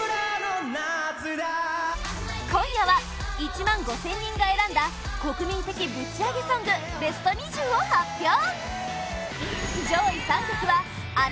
今夜は１万５０００人が選んだ国民的ぶちアゲソングベスト２０を発表